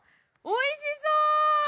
おいしそう！